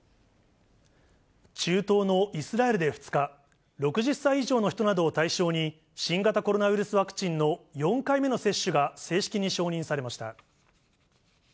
中東のイスラエルで２日、６０歳以上の人などを対象に、新型コロナウイルスワクチンの４回目の接種が正式に承認されました。